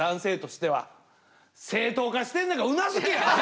正当化してんねんからうなずけや！